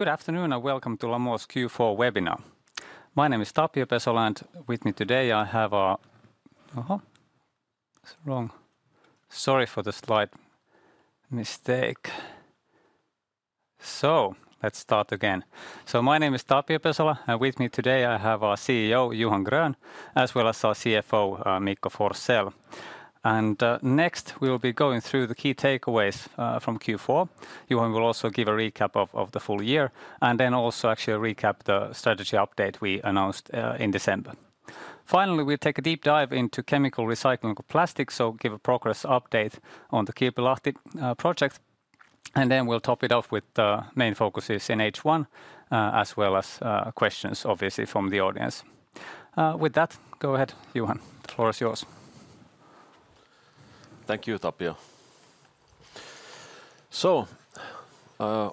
Good afternoon and welcome to Lamor's Q4 webinar. My name is Tapio Pesola, and with me today I have a—sorry for the slight mistake. Let's start again. My name is Tapio Pesola, and with me today I have our CEO, Johan Grön, as well as our CFO, Mikko Forsell. Next we will be going through the key takeaways from Q4. Johan will also give a recap of the full year, and then also actually a recap of the strategy update we announced in December. Finally, we'll take a deep dive into chemical recycling of plastics, to give a progress update on the Kilpilahti project. Then we'll top it off with the main focuses in H1, as well as questions, obviously, from the audience. With that, go ahead, Johan. The floor is yours. Thank you, Tapio.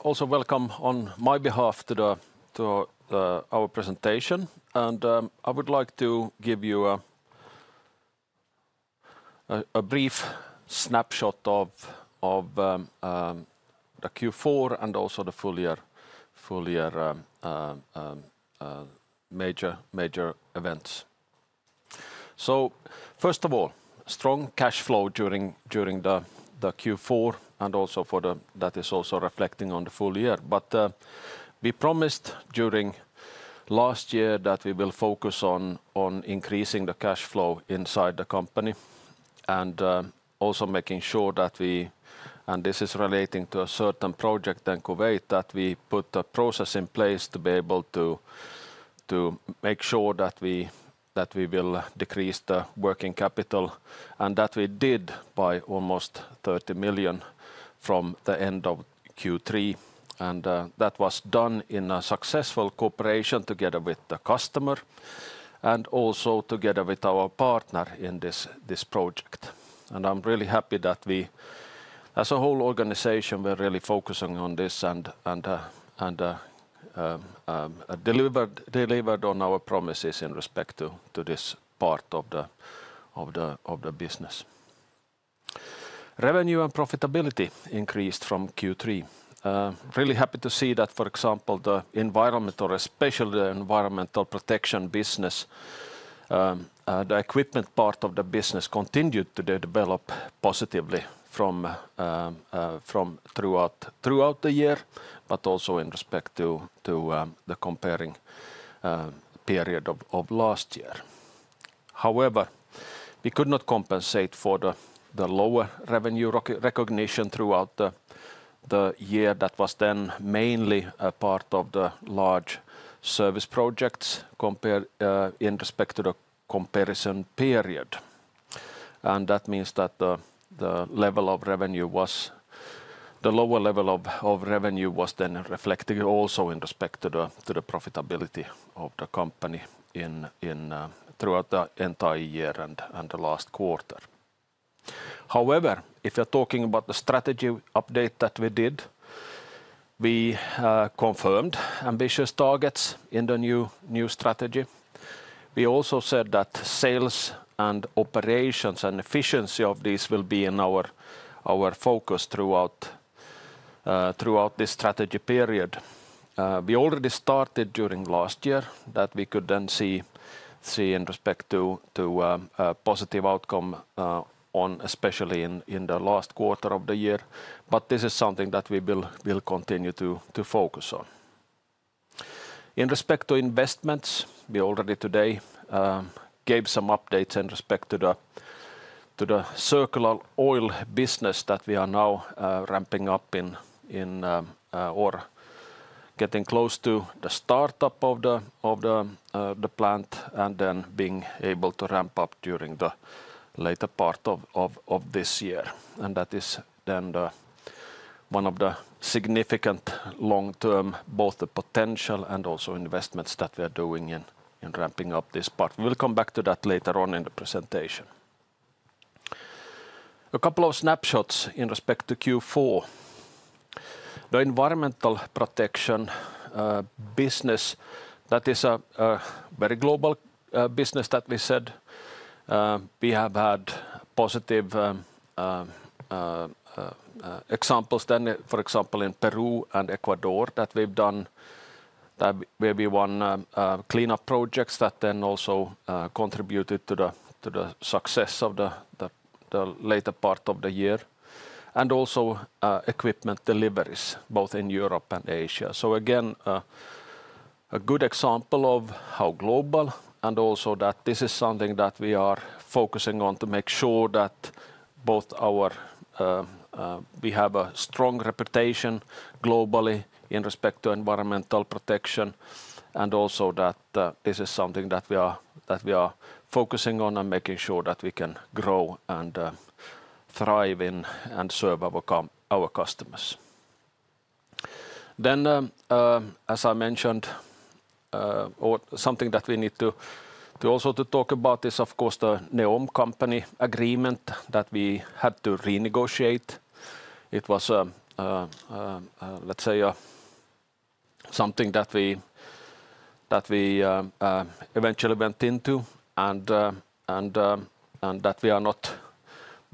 Also, welcome on my behalf to our presentation. I would like to give you a brief snapshot of the Q4 and also the full year major events. First of all, strong cash flow during the Q4, and also for that is also reflecting on the full year. We promised during last year that we will focus on increasing the cash flow inside the company and also making sure that we—and this is relating to a certain project in Kuwait—that we put a process in place to be able to make sure that we will decrease the working capital, and that we did by almost 30 million from the end of Q3. That was done in a successful cooperation together with the customer and also together with our partner in this project. I'm really happy that we, as a whole organization, were really focusing on this and delivered on our promises in respect to this part of the business. Revenue and profitability increased from Q3. Really happy to see that, for example, the environmental, especially the environmental protection business, the equipment part of the business continued to develop positively throughout the year, but also in respect to the comparing period of last year. However, we could not compensate for the lower revenue recognition throughout the year that was then mainly a part of the large service projects in respect to the comparison period. That means that the level of revenue was, the lower level of revenue was then reflected also in respect to the profitability of the company throughout the entire year and the last quarter. However, if you're talking about the strategy update that we did, we confirmed ambitious targets in the new strategy. We also said that sales and operations and efficiency of these will be in our focus throughout this strategy period. We already started during last year that we could then see in respect to positive outcome, especially in the last quarter of the year. This is something that we will continue to focus on. In respect to investments, we already today gave some updates in respect to the circular oil business that we are now ramping up in or getting close to the startup of the plant and then being able to ramp up during the later part of this year. That is then one of the significant long-term both the potential and also investments that we are doing in ramping up this part. We will come back to that later on in the presentation. A couple of snapshots in respect to Q4. The environmental protection business, that is a very global business that we said we have had positive examples then, for example, in Peru and Ecuador that we've done where we won cleanup projects that then also contributed to the success of the later part of the year. Also, equipment deliveries both in Europe and Asia. Again, a good example of how global and also that this is something that we are focusing on to make sure that both our—we have a strong reputation globally in respect to environmental protection and also that this is something that we are focusing on and making sure that we can grow and thrive in and serve our customers. As I mentioned, something that we need to also talk about is, of course, the NEOM Company agreement that we had to renegotiate. It was, let's say, something that we eventually went into and that we are not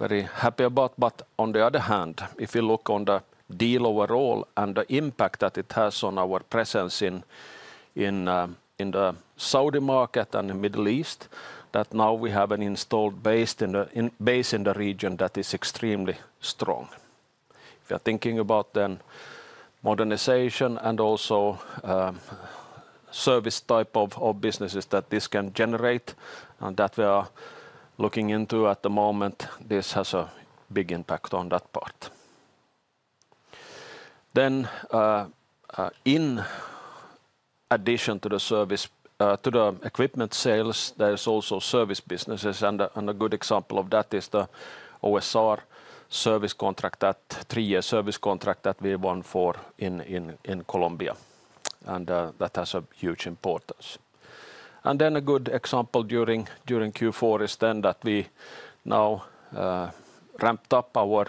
very happy about. On the other hand, if you look on the deal overall and the impact that it has on our presence in the Saudi market and the Middle East, now we have an installed base in the region that is extremely strong. If you're thinking about modernization and also service type of businesses that this can generate and that we are looking into at the moment, this has a big impact on that part. In addition to the service to the equipment sales, there is also service businesses. A good example of that is the OSR service contract, that three-year service contract that we won for in Colombia. That has a huge importance. A good example during Q4 is that we now ramped up our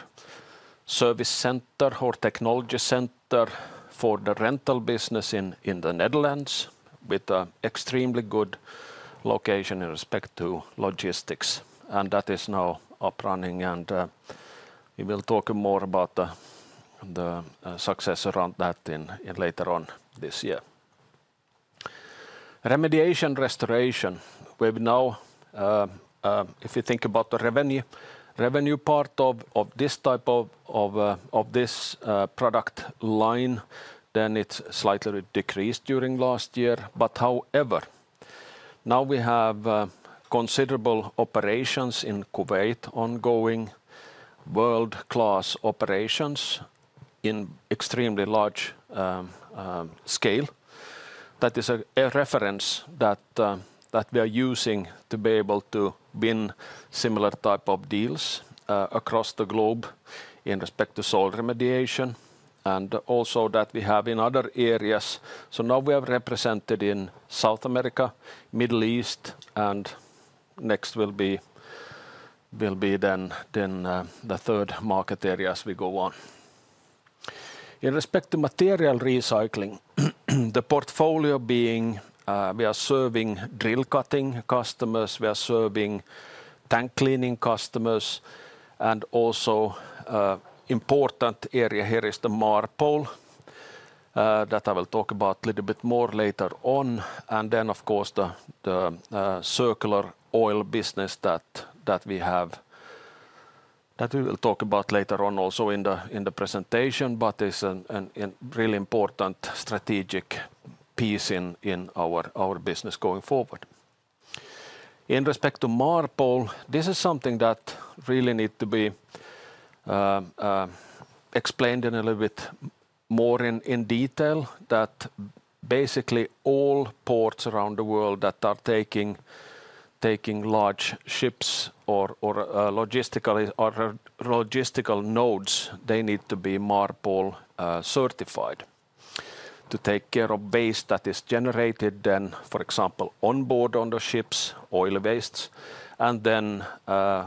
service center, our technology center for the rental business in the Netherlands with an extremely good location in respect to logistics. That is now up running. We will talk more about the success around that later on this year. Remediation and restoration, we've now, if you think about the revenue part of this type of this product line, then it's slightly decreased during last year. However, now we have considerable operations in Kuwait ongoing, world-class operations in extremely large scale. That is a reference that we are using to be able to win similar type of deals across the globe in respect to soil remediation and also that we have in other areas. Now we have represented in South America, Middle East, and next will be then the third market area as we go on. In respect to material recycling, the portfolio being, we are serving drill cutting customers, we are serving tank cleaning customers, and also important area here is the MARPOL that I will talk about a little bit more later on. Of course, the circular oil business that we have, that we will talk about later on also in the presentation, but is a really important strategic piece in our business going forward. In respect to MARPOL, this is something that really needs to be explained a little bit more in detail, that basically all ports around the world that are taking large ships or logistical nodes, they need to be MARPOL certified to take care of waste that is generated then, for example, onboard on the ships, oil waste. When we are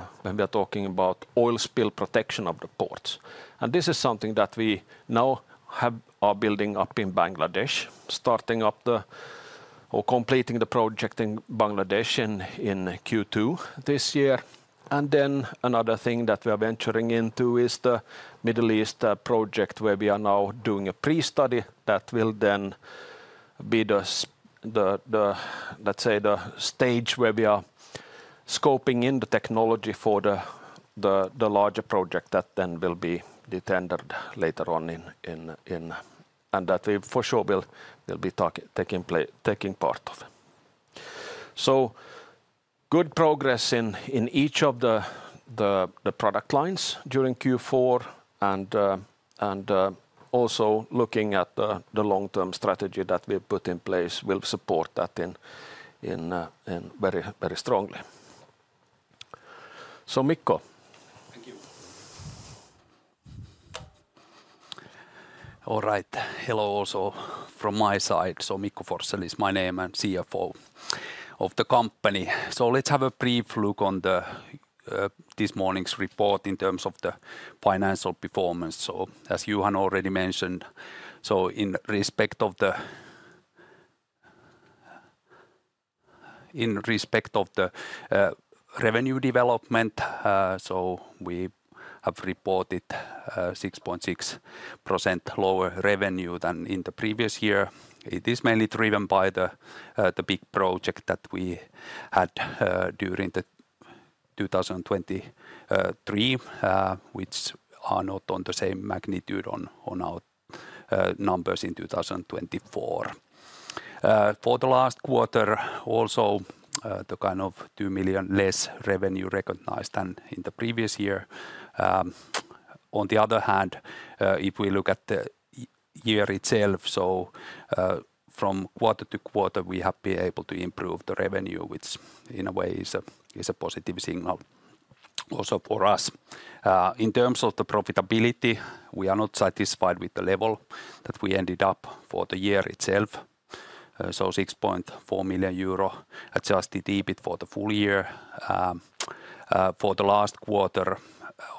talking about oil spill protection of the ports, this is something that we now are building up in Bangladesh, starting up or completing the project in Bangladesh in Q2 this year. Another thing that we are venturing into is the Middle East project where we are now doing a pre-study that will then be the, let's say, the stage where we are scoping in the technology for the larger project that then will be tendered later on in and that we for sure will be taking part of. Good progress in each of the product lines during Q4 and also looking at the long-term strategy that we have put in place will support that very strongly. Mikko. Thank you. All right. Hello also from my side. Mikko Forsell is my name and CFO of the company. Let's have a brief look on this morning's report in terms of the financial performance. As Johan already mentioned, in respect of the revenue development, we have reported 6.6% lower revenue than in the previous year. It is mainly driven by the big project that we had during 2023, which are not on the same magnitude on our numbers in 2024. For the last quarter, also the kind of 2 million less revenue recognized than in the previous year. On the other hand, if we look at the year itself, from quarter to quarter, we have been able to improve the revenue, which in a way is a positive signal also for us. In terms of the profitability, we are not satisfied with the level that we ended up for the year itself. So 6.4 million euro adjusted EBIT for the full year. For the last quarter,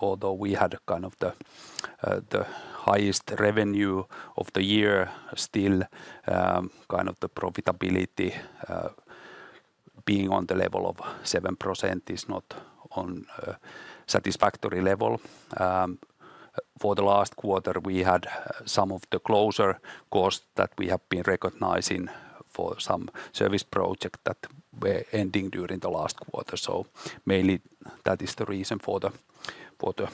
although we had kind of the highest revenue of the year, still kind of the profitability being on the level of 7% is not on a satisfactory level. For the last quarter, we had some of the closure costs that we have been recognizing for some service projects that were ending during the last quarter. Mainly that is the reason for the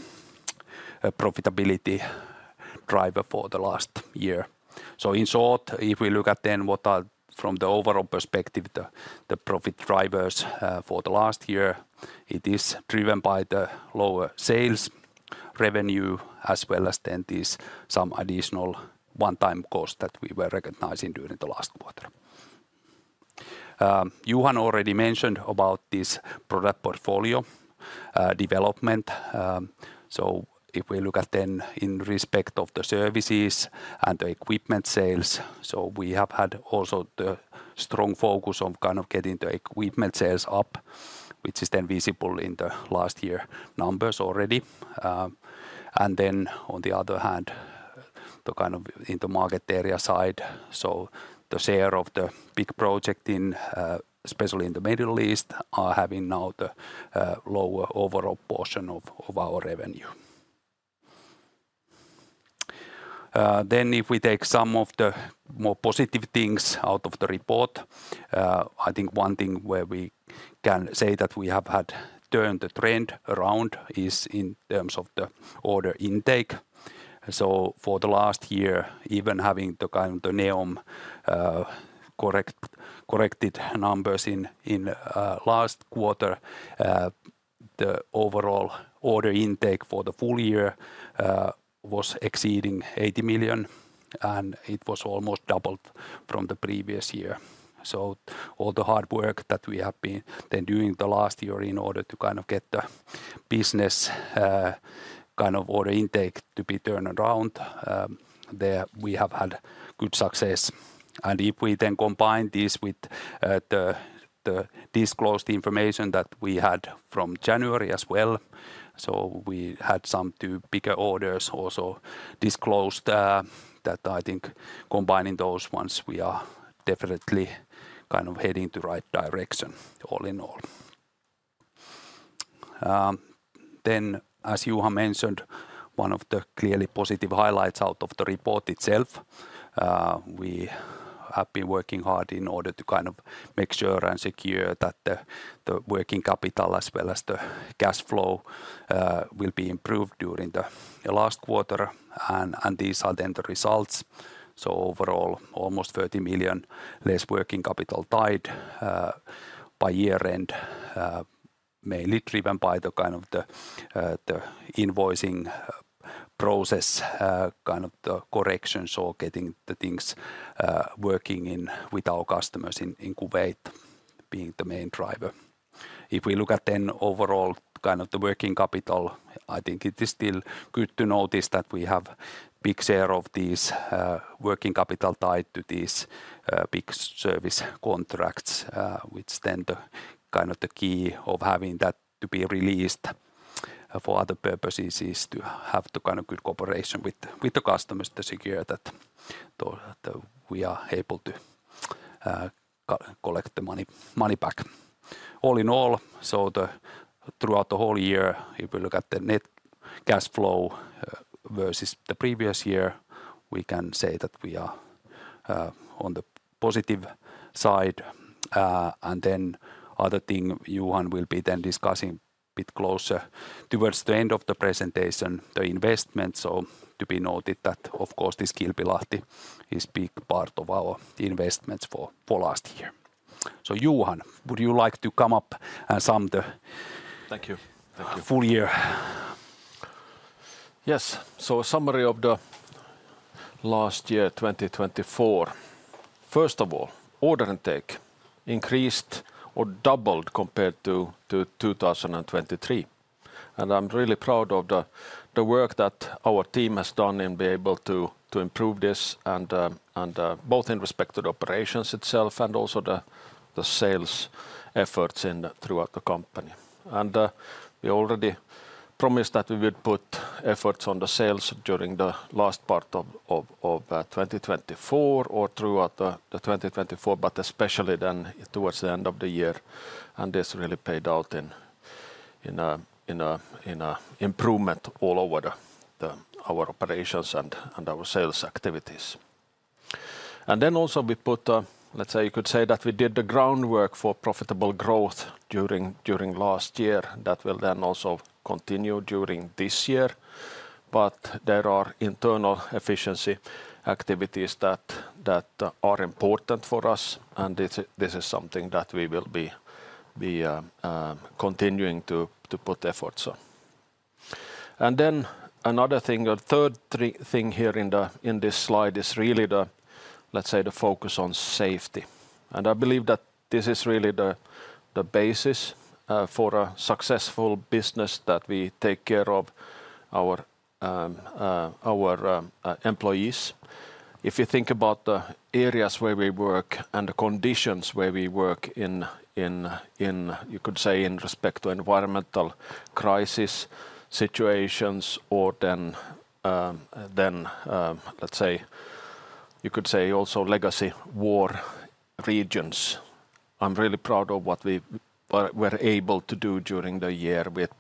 profitability driver for the last year. In short, if we look at then what are from the overall perspective, the profit drivers for the last year, it is driven by the lower sales revenue as well as then these some additional one-time costs that we were recognizing during the last quarter. Johan already mentioned about this product portfolio development. If we look at then in respect of the services and the equipment sales, we have had also the strong focus on kind of getting the equipment sales up, which is then visible in the last year numbers already. On the other hand, the kind of in the market area side, the share of the big project in, especially in the Middle East, are having now the lower overall portion of our revenue. If we take some of the more positive things out of the report, I think one thing where we can say that we have had turned the trend around is in terms of the order intake. For the last year, even having the kind of the NEOM corrected numbers in last quarter, the overall order intake for the full year was exceeding 80 million, and it was almost doubled from the previous year. All the hard work that we have been then doing the last year in order to kind of get the business kind of order intake to be turned around, there we have had good success. If we then combine this with the disclosed information that we had from January as well, we had some two bigger orders also disclosed that I think combining those ones, we are definitely kind of heading to the right direction all in all. As Johan mentioned, one of the clearly positive highlights out of the report itself, we have been working hard in order to kind of make sure and secure that the working capital as well as the cash flow will be improved during the last quarter. These are then the results. Overall, almost 30 million less working capital tied by year-end, mainly driven by the kind of the invoicing process, kind of the corrections, or getting the things working in with our customers in Kuwait being the main driver. If we look at then overall kind of the working capital, I think it is still good to notice that we have a big share of these working capital tied to these big service contracts, which then the kind of the key of having that to be released for other purposes is to have the kind of good cooperation with the customers to secure that we are able to collect the money back. All in all, throughout the whole year, if we look at the net cash flow versus the previous year, we can say that we are on the positive side. Another thing Johan will be then discussing a bit closer towards the end of the presentation, the investment. To be noted that, of course, this Kilpilahti is a big part of our investments for last year. Johan, would you like to come up and sum the full year? Yes. Summary of the last year, 2024. First of all, order intake increased or doubled compared to 2023. I am really proud of the work that our team has done in being able to improve this both in respect to the operations itself and also the sales efforts throughout the company. We already promised that we would put efforts on the sales during the last part of 2024 or throughout 2024, but especially then towards the end of the year. This really paid out in improvement all over our operations and our sales activities. Also, we put, let's say you could say that we did the groundwork for profitable growth during last year that will then also continue during this year. There are internal efficiency activities that are important for us. This is something that we will be continuing to put efforts on. Another thing, a third thing here in this slide is really the, let's say, the focus on safety. I believe that this is really the basis for a successful business that we take care of our employees. If you think about the areas where we work and the conditions where we work in, you could say in respect to environmental crisis situations or then, let's say, you could say also legacy war regions. I'm really proud of what we were able to do during the year with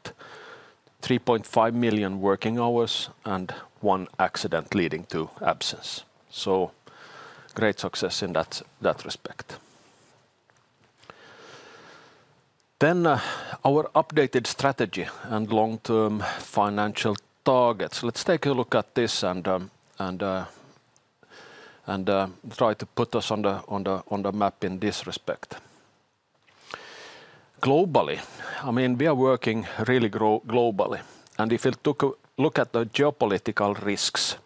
3.5 million working hours and one accident leading to absence. Great success in that respect. Our updated strategy and long-term financial targets. Let's take a look at this and try to put us on the map in this respect. Globally, I mean, we are working really globally. If you look at the geopolitical risks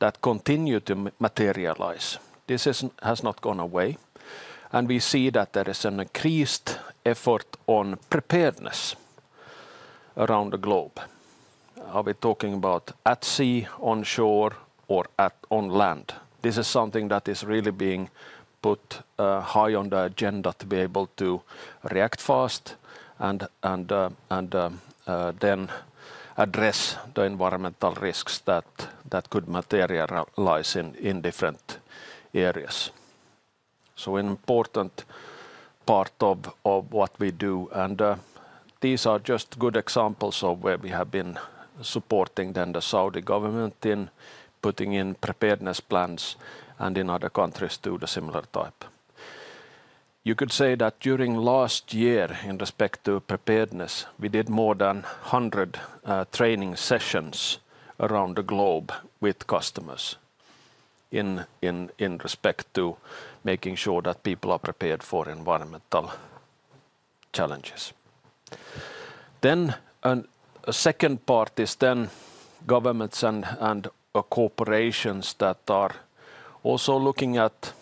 that continue to materialize, this has not gone away. We see that there is an increased effort on preparedness around the globe. Are we talking about at sea, on shore, or on land? This is something that is really being put high on the agenda to be able to react fast and then address the environmental risks that could materialize in different areas. An important part of what we do. These are just good examples of where we have been supporting the Saudi government in putting in preparedness plans and in other countries to the similar type. You could say that during last year in respect to preparedness, we did more than 100 training sessions around the globe with customers in respect to making sure that people are prepared for environmental challenges. The second part is governments and corporations that are also looking at,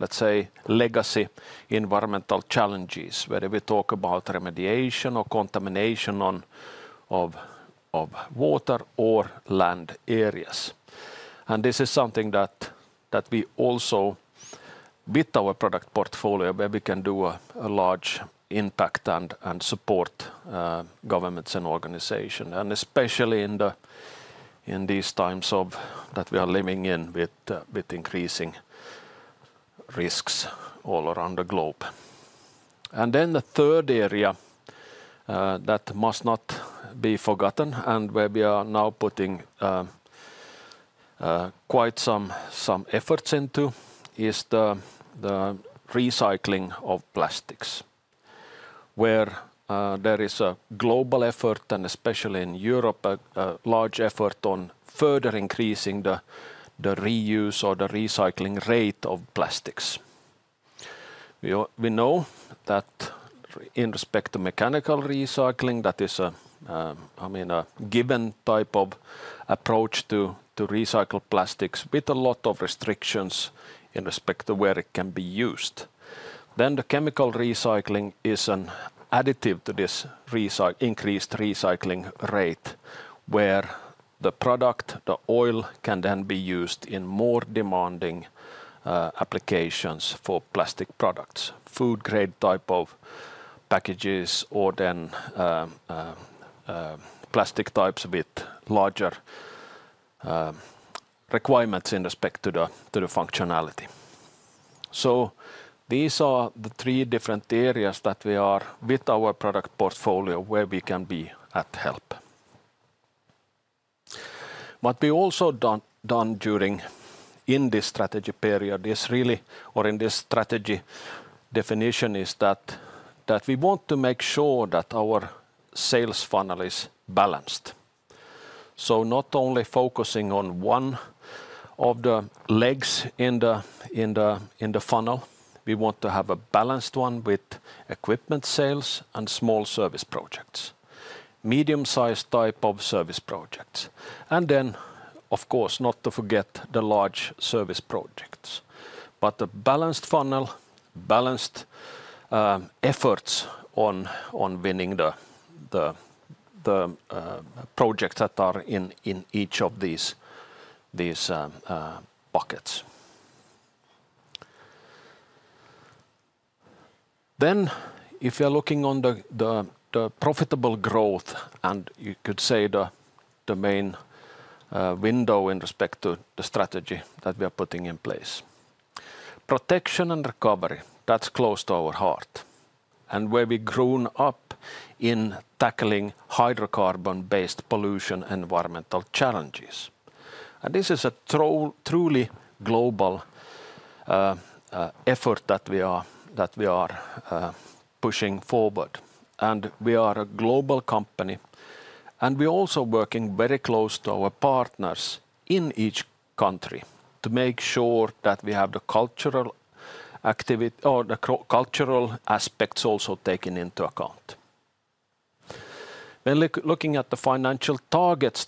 let's say, legacy environmental challenges where we talk about remediation or contamination of water or land areas. This is something that we also with our product portfolio where we can do a large impact and support governments and organizations. Especially in these times that we are living in with increasing risks all around the globe. The third area that must not be forgotten and where we are now putting quite some efforts into is the recycling of plastics. Where there is a global effort and especially in Europe, a large effort on further increasing the reuse or the recycling rate of plastics. We know that in respect to mechanical recycling, that is a given type of approach to recycle plastics with a lot of restrictions in respect to where it can be used. Then the chemical recycling is an additive to this increased recycling rate where the product, the oil can then be used in more demanding applications for plastic products, food-grade type of packages, or then plastic types with larger requirements in respect to the functionality. These are the three different areas that we are with our product portfolio where we can be at help. What we also have done during this strategy period is really, or in this strategy definition, is that we want to make sure that our sales funnel is balanced. Not only focusing on one of the legs in the funnel, we want to have a balanced one with equipment sales and small service projects, medium-sized type of service projects. Of course, not to forget the large service projects. A balanced funnel, balanced efforts on winning the projects that are in each of these buckets. If you're looking on the profitable growth, and you could say the main window in respect to the strategy that we are putting in place, protection and recovery, that's close to our heart. Where we have grown up in tackling hydrocarbon-based pollution and environmental challenges. This is a truly global effort that we are pushing forward. We are a global company. We are also working very close to our partners in each country to make sure that we have the cultural activity or the cultural aspects also taken into account. Looking at the financial targets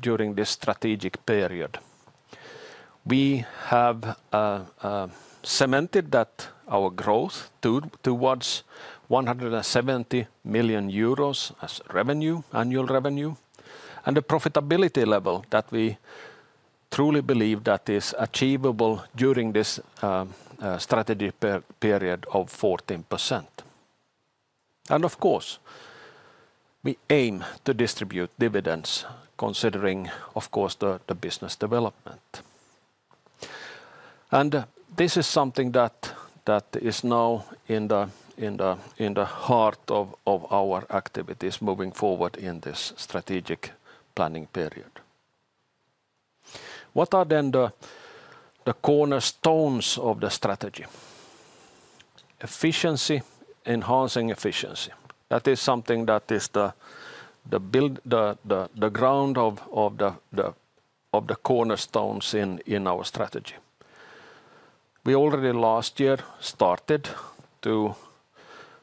during this strategic period, we have cemented that our growth towards 170 million euros as revenue, annual revenue. The profitability level that we truly believe is achievable during this strategy period is 14%. Of course, we aim to distribute dividends considering, of course, the business development. This is something that is now in the heart of our activities moving forward in this strategic planning period. What are the cornerstones of the strategy? Efficiency, enhancing efficiency. That is something that is the ground of the cornerstones in our strategy. We already last year started to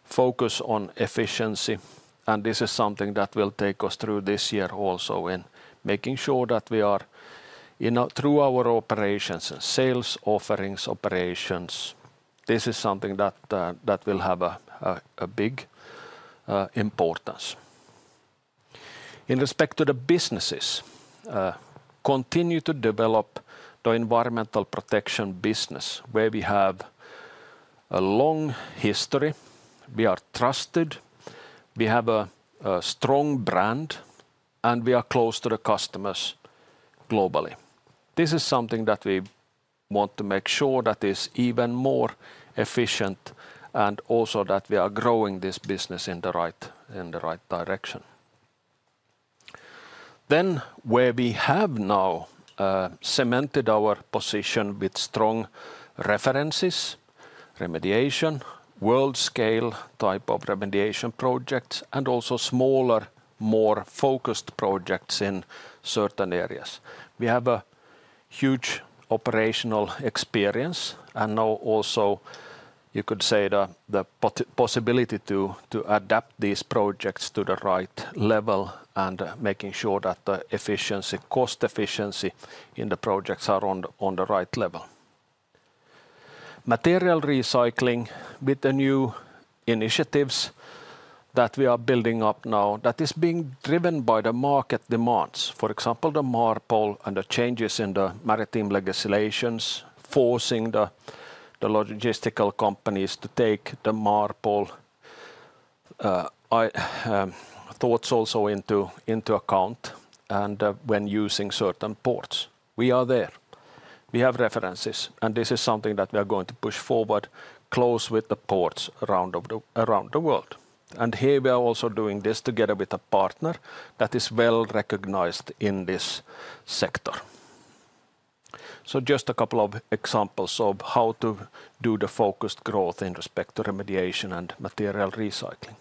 focus on efficiency. This is something that will take us through this year also in making sure that we are through our operations and sales offerings operations. This is something that will have a big importance. In respect to the businesses, continue to develop the environmental protection business where we have a long history. We are trusted. We have a strong brand. We are close to the customers globally. This is something that we want to make sure that is even more efficient and also that we are growing this business in the right direction. Where we have now cemented our position with strong references, remediation, world-scale type of remediation projects, and also smaller, more focused projects in certain areas. We have a huge operational experience and now also you could say the possibility to adapt these projects to the right level and making sure that the efficiency, cost efficiency in the projects are on the right level. Material recycling with the new initiatives that we are building up now that is being driven by the market demands. For example, the MARPOL and the changes in the maritime legislations forcing the logistical companies to take the MARPOL thoughts also into account when using certain ports. We are there. We have references. This is something that we are going to push forward close with the ports around the world. Here we are also doing this together with a partner that is well recognized in this sector. Just a couple of examples of how to do the focused growth in respect to remediation and material recycling.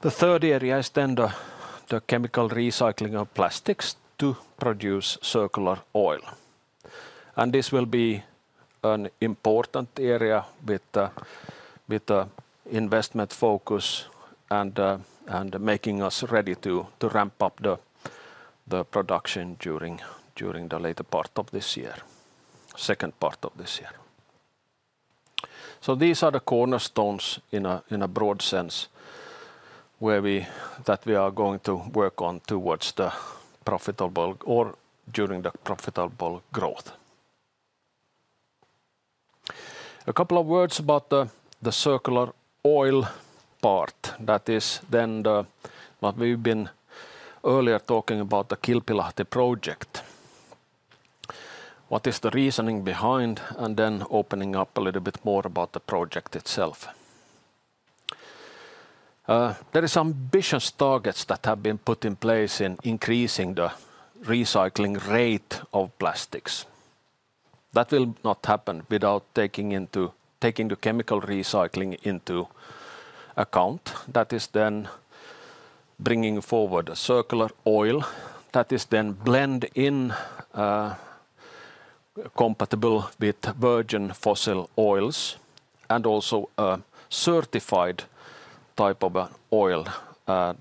The third area is then the chemical recycling of plastics to produce circular oil. This will be an important area with the investment focus and making us ready to ramp up the production during the later part of this year, second part of this year. These are the cornerstones in a broad sense that we are going to work on towards the profitable or during the profitable growth. A couple of words about the circular oil part. That is then what we've been earlier talking about, the Kilpilahti project. What is the reasoning behind and then opening up a little bit more about the project itself. There are some ambition targets that have been put in place in increasing the recycling rate of plastics. That will not happen without taking the chemical recycling into account. That is then bringing forward a circular oil that is then blended in compatible with virgin fossil oils and also a certified type of oil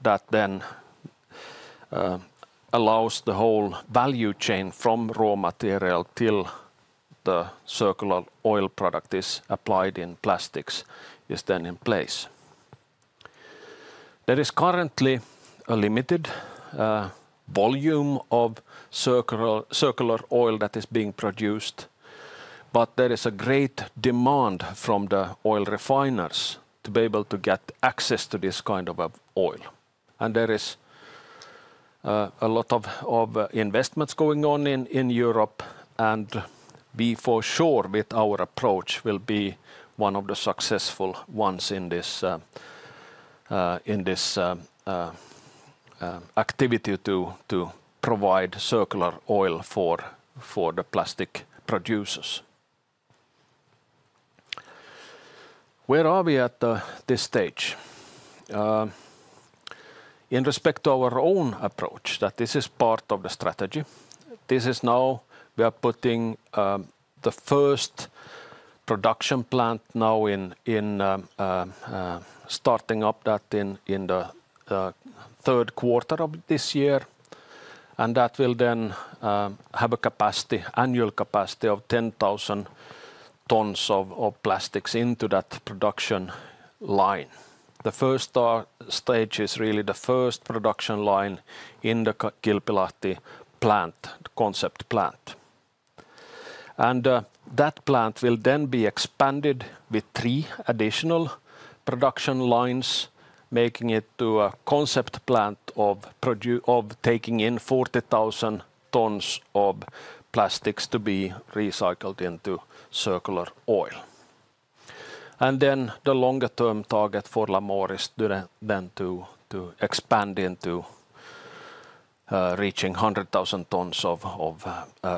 that then allows the whole value chain from raw material to the circular oil product is applied in plastics is then in place. There is currently a limited volume of circular oil that is being produced. There is a great demand from the oil refiners to be able to get access to this kind of oil. There is a lot of investments going on in Europe. We for sure with our approach will be one of the successful ones in this activity to provide circular oil for the plastic producers. Where are we at this stage? In respect to our own approach, that this is part of the strategy. We are putting the first production plant now in, starting up that in the third quarter of this year. That will then have a capacity, annual capacity of 10,000 tons of plastics into that production line. The first stage is really the first production line in the Kilpilahti plant, concept plant. That plant will then be expanded with three additional production lines, making it to a concept plant of taking in 40,000 tons of plastics to be recycled into circular oil. The longer-term target for Lamor is then to expand into reaching 100,000 tons of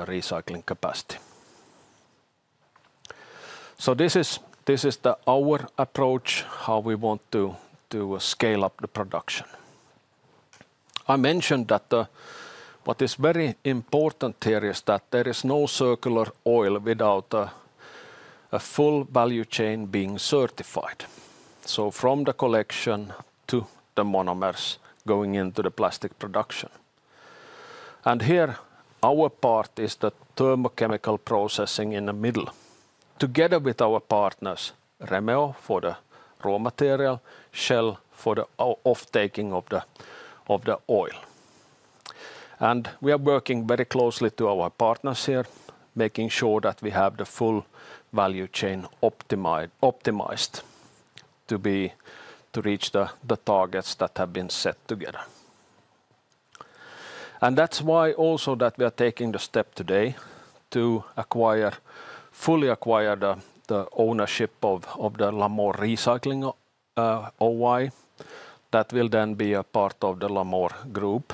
recycling capacity. This is our approach, how we want to scale up the production. I mentioned that what is very important here is that there is no circular oil without a full value chain being certified. From the collection to the monomers going into the plastic production. Here our part is the thermochemical processing in the middle. Together with our partners, Remeo for the raw material, Shell for the off-taking of the oil. We are working very closely to our partners here, making sure that we have the full value chain optimized to reach the targets that have been set together. That is why also that we are taking the step today to fully acquire the ownership of Lamor Recycling Oy. That will then be a part of the Lamor Group.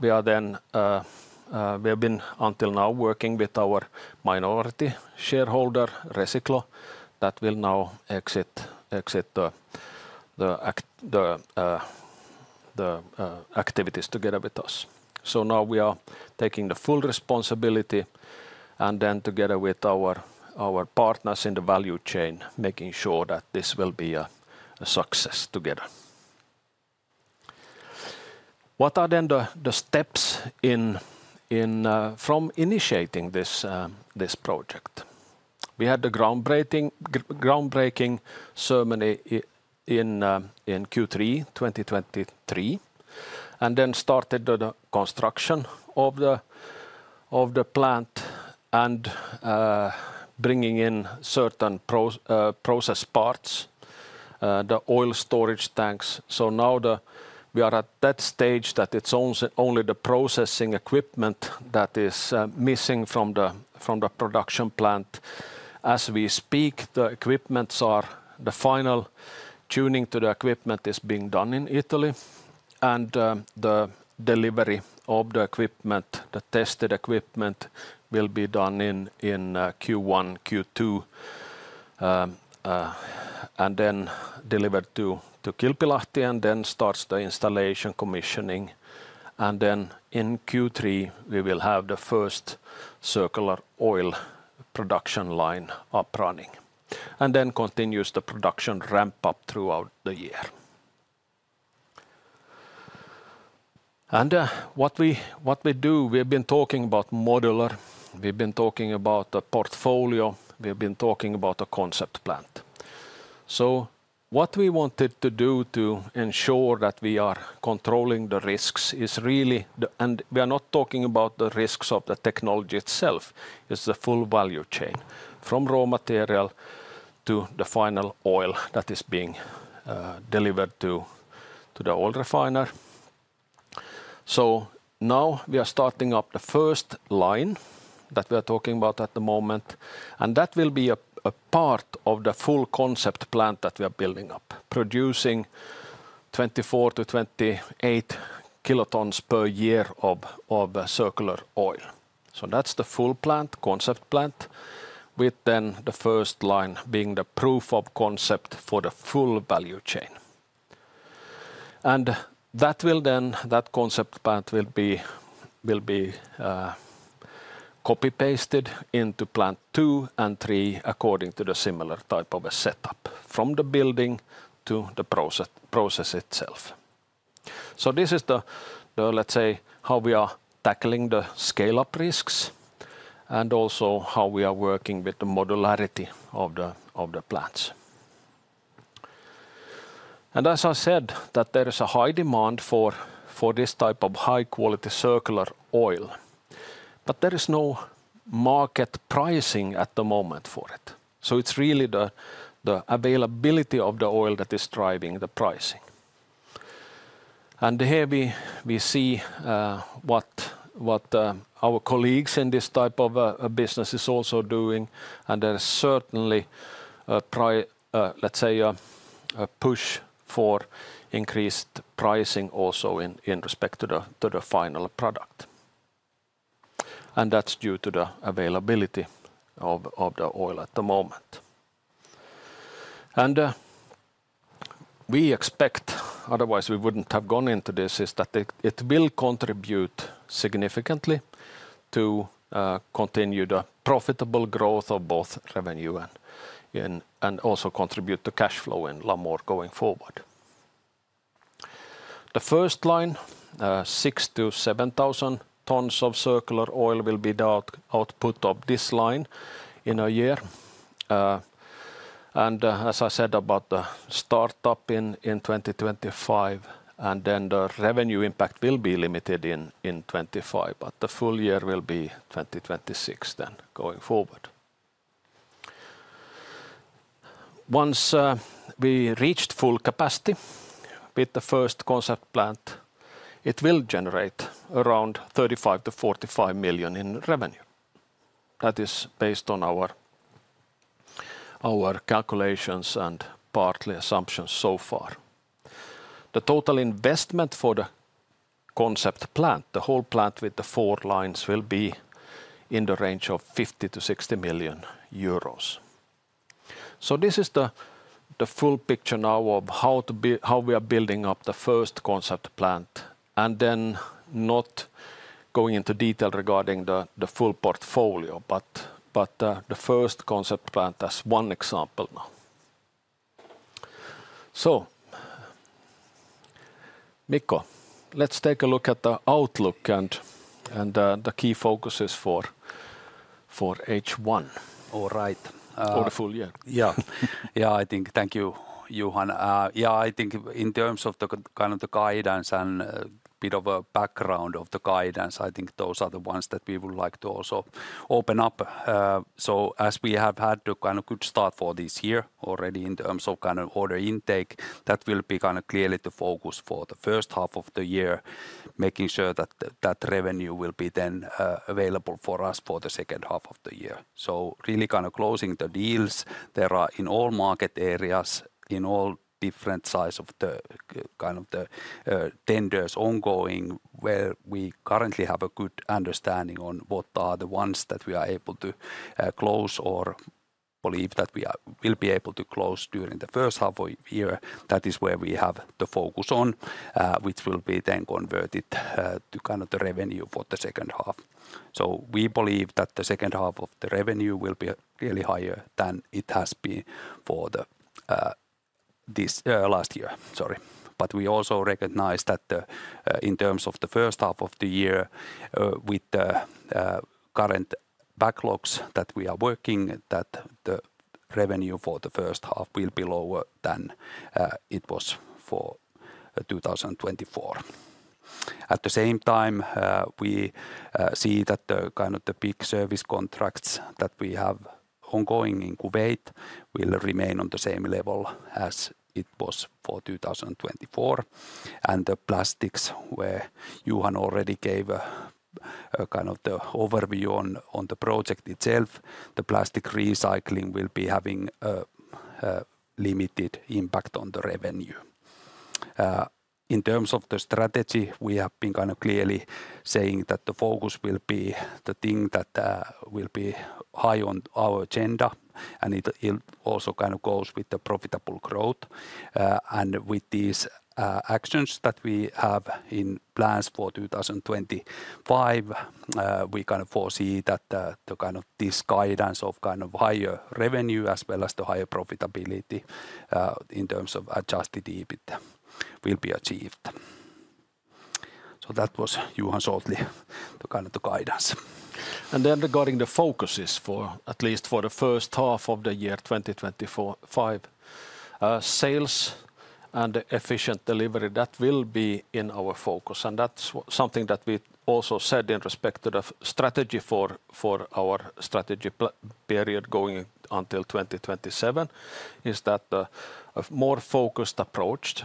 We have been until now working with our minority shareholder, Resiclo, that will now exit the activities together with us. Now we are taking the full responsibility and then together with our partners in the value chain, making sure that this will be a success together. What are then the steps from initiating this project? We had the groundbreaking ceremony in Q3 2023 and then started the construction of the plant and bringing in certain process parts, the oil storage tanks. Now we are at that stage that it's only the processing equipment that is missing from the production plant. As we speak, the final tuning to the equipment is being done in Italy. The delivery of the tested equipment will be done in Q1, Q2, and then delivered to Kilpilahti. Then starts the installation, commissioning. In Q3, we will have the first circular oil production line up running. Then continues the production ramp up throughout the year. What we do, we have been talking about modular. We have been talking about a portfolio. We have been talking about a concept plant. What we wanted to do to ensure that we are controlling the risks is really, and we are not talking about the risks of the technology itself, it's the full value chain from raw material to the final oil that is being delivered to the oil refiner. Now we are starting up the first line that we are talking about at the moment. That will be a part of the full concept plant that we are building up, producing 24-28 kilotons per year of circular oil. That's the full plant, concept plant, with the first line being the proof of concept for the full value chain. That concept plant will be copy-pasted into plant two and three according to the similar type of a setup from the building to the process itself. This is the, let's say, how we are tackling the scale-up risks and also how we are working with the modularity of the plants. As I said, there is a high demand for this type of high-quality circular oil. There is no market pricing at the moment for it. It is really the availability of the oil that is driving the pricing. Here we see what our colleagues in this type of business are also doing. There is certainly, let's say, a push for increased pricing also in respect to the final product. That is due to the availability of the oil at the moment. We expect, otherwise we would not have gone into this, that it will contribute significantly to continue the profitable growth of both revenue and also contribute to cash flow in Lamor going forward. The first line, 6,000 tons-7,000 tons of circular oil will be the output of this line in a year. As I said about the startup in 2025, the revenue impact will be limited in 2025, but the full year will be 2026 going forward. Once we reach full capacity with the first concept plant, it will generate around 35 million-45 million in revenue. That is based on our calculations and partly assumptions so far. The total investment for the concept plant, the whole plant with the four lines, will be in the range of 50 million-60 million euros. This is the full picture now of how we are building up the first concept plant. I am not going into detail regarding the full portfolio, but the first concept plant as one example now. Mikko, let's take a look at the outlook and the key focuses for H1. All right. For the full year. Yeah, I think, thank you, Johan. Yeah, I think in terms of the kind of the guidance and a bit of a background of the guidance, I think those are the ones that we would like to also open up. As we have had the kind of good start for this year already in terms of kind of order intake, that will be kind of clearly the focus for the first half of the year, making sure that that revenue will be then available for us for the second half of the year. Really kind of closing the deals there are in all market areas, in all different sides of the kind of the tenders ongoing, where we currently have a good understanding on what are the ones that we are able to close or believe that we will be able to close during the first half of the year. That is where we have the focus on, which will be then converted to kind of the revenue for the second half. We believe that the second half of the revenue will be really higher than it has been for this last year. Sorry. We also recognize that in terms of the first half of the year, with the current backlogs that we are working, that the revenue for the first half will be lower than it was for 2024. At the same time, we see that the kind of the big service contracts that we have ongoing in Kuwait will remain on the same level as it was for 2024. And the plastics, where Johan already gave a kind of the overview on the project itself, the plastic recycling will be having a limited impact on the revenue. In terms of the strategy, we have been kind of clearly saying that the focus will be the thing that will be high on our agenda. And it also kind of goes with the profitable growth. With these actions that we have in plans for 2025, we kind of foresee that the kind of this guidance of kind of higher revenue as well as the higher profitability in terms of adjusted EBIT will be achieved. That was Johan shortly, the kind of the guidance. Regarding the focuses for at least the first half of the year 2025, sales and efficient delivery, that will be in our focus. That is something that we also said in respect to the strategy for our strategy period going until 2027, that a more focused approach,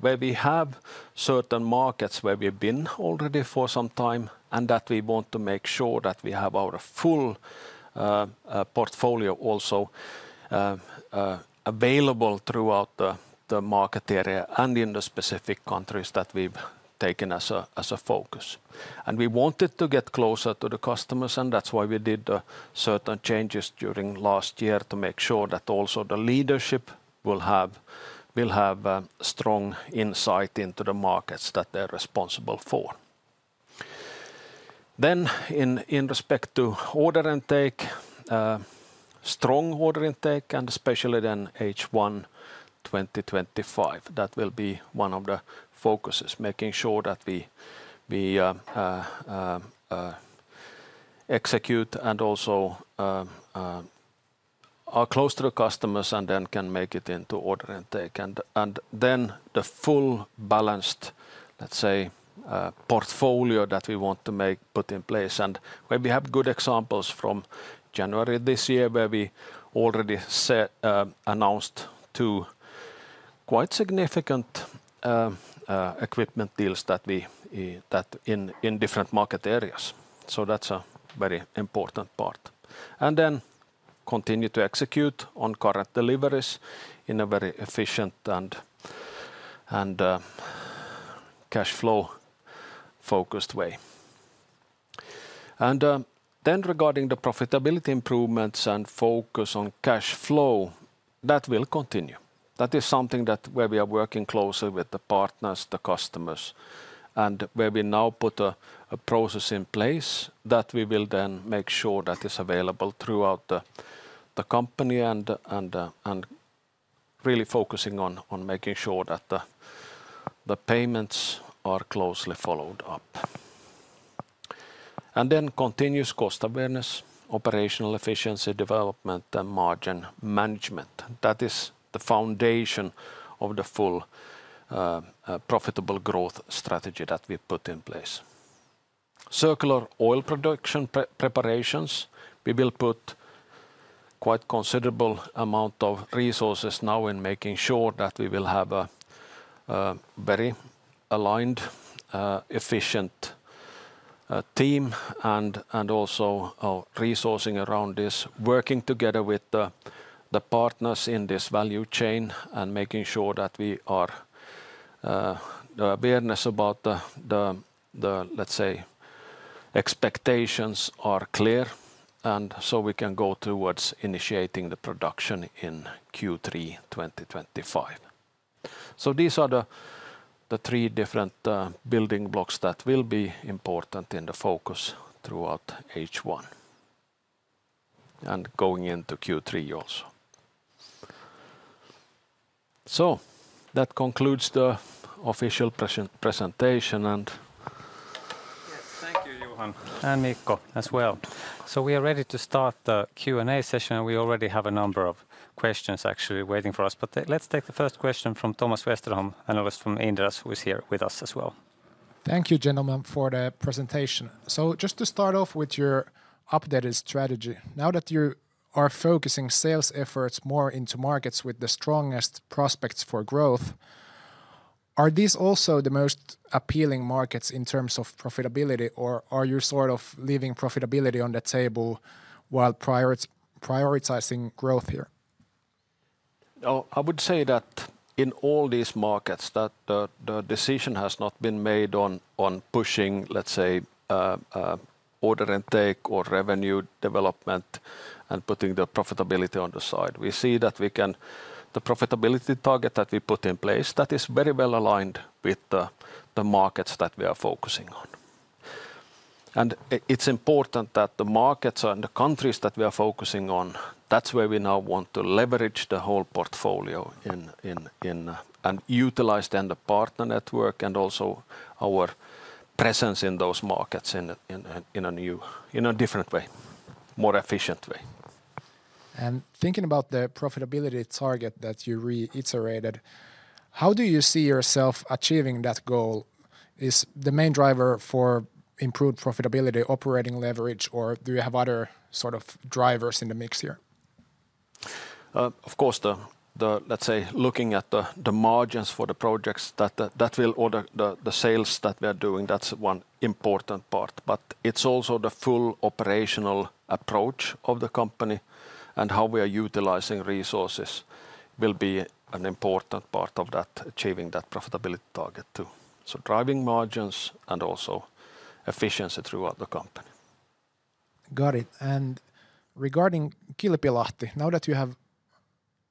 where we have certain markets where we've been already for some time, and that we want to make sure that we have our full portfolio also available throughout the market area and in the specific countries that we've taken as a focus. We wanted to get closer to the customers, and that is why we did certain changes during last year to make sure that also the leadership will have strong insight into the markets that they're responsible for. In respect to order intake, strong order intake, and especially then H1 2025, that will be one of the focuses, making sure that we execute and also are close to the customers and then can make it into order intake. The full balanced, let's say, portfolio that we want to put in place. We have good examples from January this year, where we already announced two quite significant equipment deals that in different market areas. That is a very important part. We continue to execute on current deliveries in a very efficient and cash flow-focused way. Regarding the profitability improvements and focus on cash flow, that will continue. That is something where we are working closely with the partners, the customers, and where we now put a process in place that we will then make sure that is available throughout the company and really focusing on making sure that the payments are closely followed up. Continuous cost awareness, operational efficiency development, and margin management. That is the foundation of the full profitable growth strategy that we put in place. Circular oil production preparations, we will put quite a considerable amount of resources now in making sure that we will have a very aligned, efficient team and also resourcing around this, working together with the partners in this value chain and making sure that we are awareness about the, let's say, expectations are clear and so we can go towards initiating the production in Q3 2025. These are the three different building blocks that will be important in the focus throughout H1 and going into Q3 also. That concludes the official presentation. Yes, thank you, Johan. And Mikko as well. We are ready to start the Q&A session. We already have a number of questions actually waiting for us. Let's take the first question from Thomas Westerholm, Analyst from Inderes, who is here with us as well. Thank you, gentlemen, for the presentation. Just to start off with your updated strategy, now that you are focusing sales efforts more into markets with the strongest prospects for growth, are these also the most appealing markets in terms of profitability, or are you sort of leaving profitability on the table while prioritizing growth here? I would say that in all these markets, the decision has not been made on pushing, let's say, order intake or revenue development and putting the profitability on the side. We see that we can the profitability target that we put in place, that is very well aligned with the markets that we are focusing on. It is important that the markets and the countries that we are focusing on, that's where we now want to leverage the whole portfolio and utilize then the partner network and also our presence in those markets in a new, in a different way, more efficient way. Thinking about the profitability target that you reiterated, how do you see yourself achieving that goal? Is the main driver for improved profitability operating leverage, or do you have other sort of drivers in the mix here? Of course, looking at the margins for the projects, that will order the sales that we are doing, that's one important part. It is also the full operational approach of the company and how we are utilizing resources will be an important part of that achieving that profitability target too. Driving margins and also efficiency throughout the company. Got it. Regarding Kilpilahti, now that you have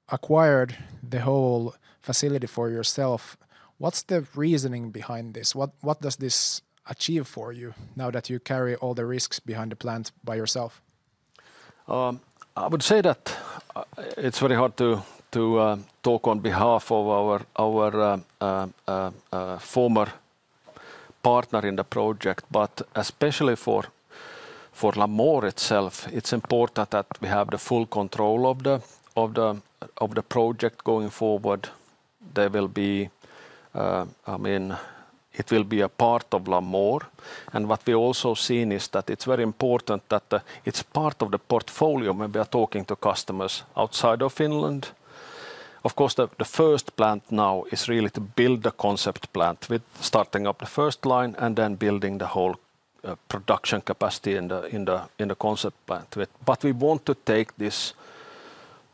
acquired the whole facility for yourself, what's the reasoning behind this? What does this achieve for you now that you carry all the risks behind the plant by yourself? I would say that it's very hard to talk on behalf of our former partner in the project, but especially for Lamor itself, it's important that we have the full control of the project going forward. There will be, I mean, it will be a part of Lamor. What we also seen is that it's very important that it's part of the portfolio when we are talking to customers outside of Finland. Of course, the first plant now is really to build the concept plant with starting up the first line and then building the whole production capacity in the concept plant. We want to take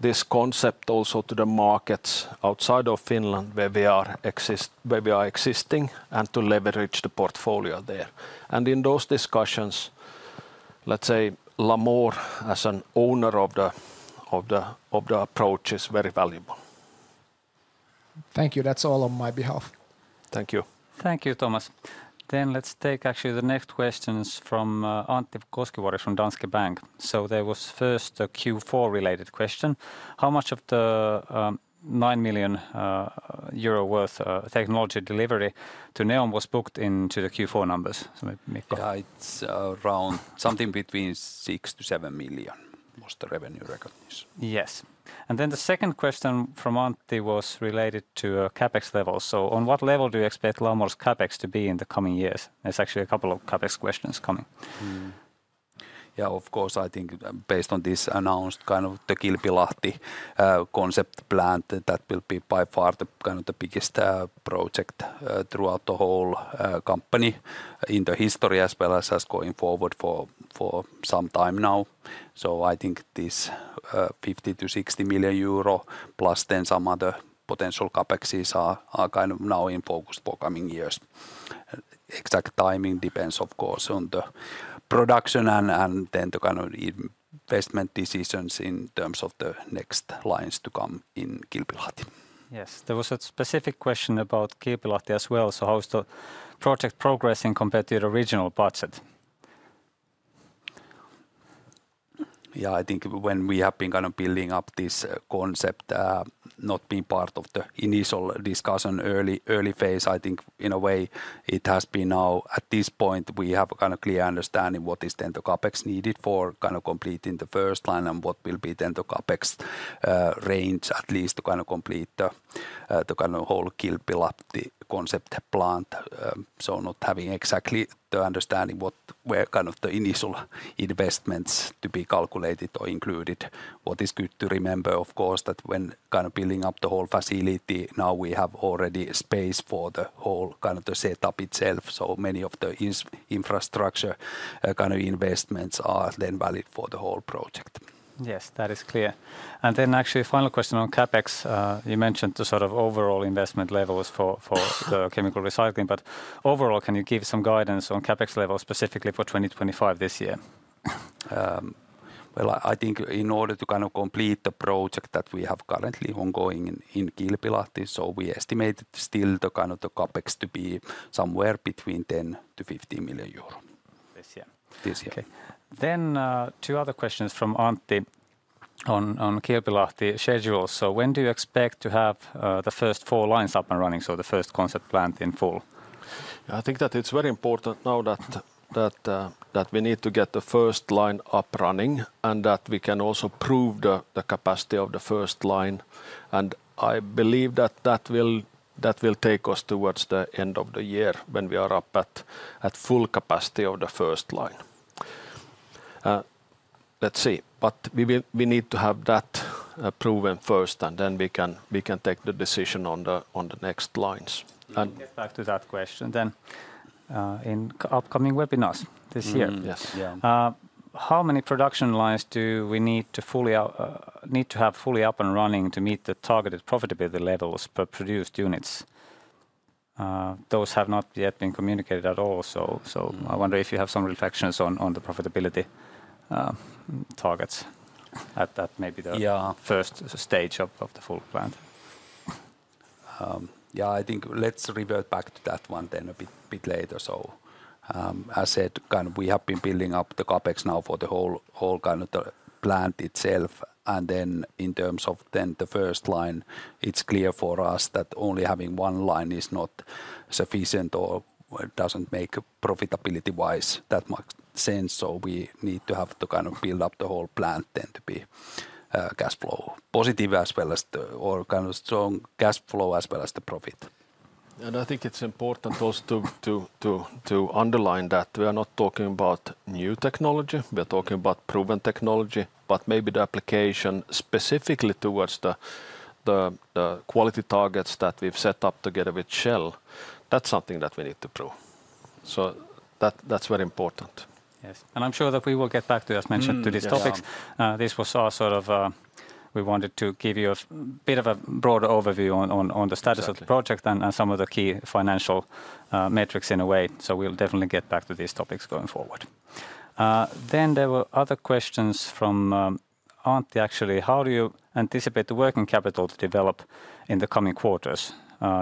this concept also to the markets outside of Finland where we are existing and to leverage the portfolio there. In those discussions, let's say, Lamor as an owner of the approach is very valuable. Thank you. That's all on my behalf. Thank you. Thank you, Thomas. Let's take actually the next questions from Antti Koskivuori from Danske Bank. There was first a Q4 related question. How much of the 9 million euro worth technology delivery to NEOM was booked into the Q4 numbers? Yeah, it's around something between 6 million-7 million was the revenue recognition. Yes. And then the second question from Antti was related to a CapEx level. On what level do you expect Lamor's CapEx to be in the coming years? There's actually a couple of CapEx questions coming. Yeah, of course, I think based on this announced kind of the Kilpilahti concept plant that will be by far the kind of the biggest project throughout the whole company in the history as well as going forward for some time now. I think this 50 million-60 million euro plus then some other potential CapEx is now in focus for coming years. Exact timing depends, of course, on the production and then the kind of investment decisions in terms of the next lines to come in Kilpilahti. Yes, there was a specific question about Kilpilahti as well. How is the project progressing compared to the original budget? Yeah, I think when we have been kind of building up this concept, not being part of the initial discussion early phase, I think in a way it has been now at this point we have a kind of clear understanding what is then the CapEx needed for kind of completing the first line and what will be then the CapEx range at least to kind of complete the kind of whole Kilpilahti concept plant. Not having exactly the understanding what where kind of the initial investments to be calculated or included. What is good to remember, of course, is that when kind of building up the whole facility, now we have already space for the whole kind of the setup itself. Many of the infrastructure kind of investments are then valid for the whole project. Yes, that is clear. Actually, final question on CapEx. You mentioned the sort of overall investment levels for the chemical recycling, but overall can you give some guidance on CapEx levels specifically for 2025 this year? I think in order to kind of complete the project that we have currently ongoing in Kilpilahti, we estimate still the kind of CapEx to be somewhere between 10 million-15 million euro this year. This year. Okay. Two other questions from Antti on Kilpilahti schedule. When do you expect to have the first four lines up and running, the first concept plant in full? I think that it is very important now that we need to get the first line up running and that we can also prove the capacity of the first line. I believe that that will take us towards the end of the year when we are up at full capacity of the first line. Let's see. We need to have that proven first and then we can take the decision on the next lines. Let me get back to that question then in upcoming webinars this year. Yes. How many production lines do we need to have fully up and running to meet the targeted profitability levels per produced units? Those have not yet been communicated at all. I wonder if you have some reflections on the profitability targets at that, maybe the first stage of the full plant. Yeah, I think let's revert back to that one then a bit later. As said, kind of we have been building up the CapEx now for the whole kind of the plant itself. In terms of the first line, it's clear for us that only having one line is not sufficient or does not make profitability-wise that much sense. We need to build up the whole plant to be cash flow positive as well as to have strong cash flow and profit. I think it's important also to underline that we are not talking about new technology. We are talking about proven technology, but maybe the application specifically towards the quality targets that we have set up together with Shell. That is something that we need to prove. That is very important. Yes. I am sure that we will get back to, as mentioned, these topics. This was all sort of we wanted to give you a bit of a broader overview on the status of the project and some of the key financial metrics in a way. We will definitely get back to these topics going forward. There were other questions from Antti actually. How do you anticipate the working capital to develop in the coming quarters?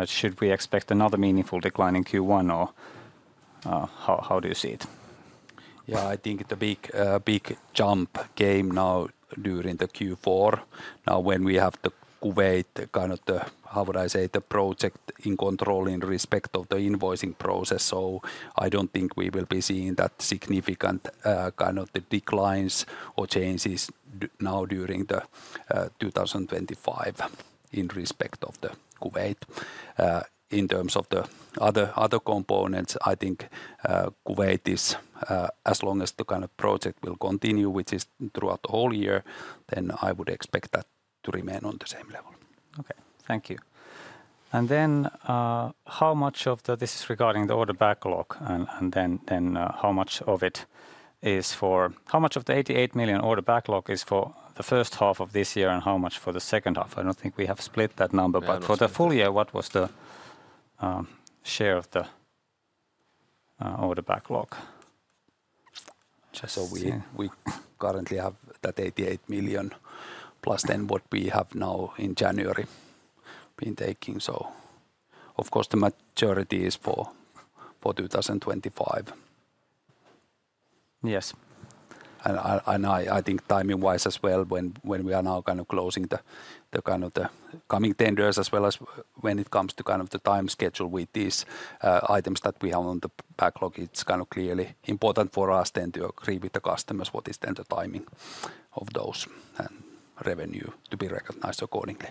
Should we expect another meaningful decline in Q1 or how do you see it? I think it is a big jump game now during the Q4. Now when we have the Kuwait kind of the, how would I say, the project in control in respect of the invoicing process. I do not think we will be seeing that significant kind of the declines or changes now during the 2025 in respect of the Kuwait. In terms of the other components, I think Kuwait is, as long as the kind of project will continue, which is throughout the whole year, then I would expect that to remain on the same level. Okay. Thank you. How much of the, this is regarding the order backlog, how much of the 88 million order backlog is for the first half of this year and how much for the second half? I do not think we have split that number, but for the full year, what was the share of the order backlog? We currently have that 88 million plus then what we have now in January been taking. Of course the majority is for 2025. Yes. I think timing-wise as well, when we are now kind of closing the kind of the coming tenders as well as when it comes to kind of the time schedule with these items that we have on the backlog, it is kind of clearly important for us then to agree with the customers what is then the timing of those and revenue to be recognized accordingly.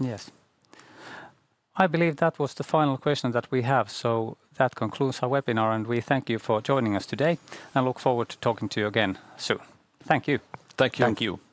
Yes. I believe that was the final question that we have. That concludes our webinar, and we thank you for joining us today and look forward to talking to you again soon. Thank you. Thank you. Thank you.